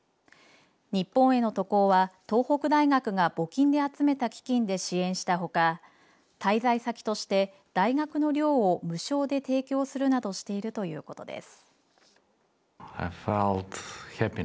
日本への渡航は東北大学が募金で集めた基金で支援したほか滞在先として、大学の寮を無償で提供するなどしているということです。